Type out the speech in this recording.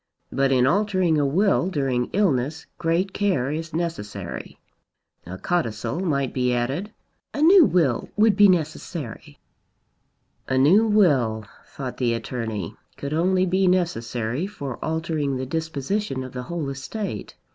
But in altering a will during illness great care is necessary. A codicil might be added " "A new will would be necessary." A new will, thought the attorney, could only be necessary for altering the disposition of the whole estate.